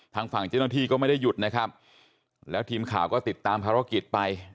ทางฝั่งเจ้าหน้าที่ก็ไม่ได้หยุดนะครับแล้วทีมข่าวก็ติดตามภารกิจไป